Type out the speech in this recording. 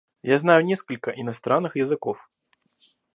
Я знаю несколько иностранных языков.